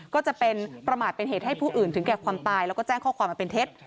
ก็จะเป็นประมาทเป็นเหตุให้ผู้อื่นถึงแก่ความตายแล้วก็แจ้งข้อความมาเป็นเท็จ